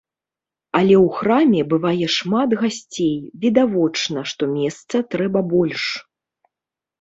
Але ў храме бывае шмат гасцей, відавочна, што месца трэба больш.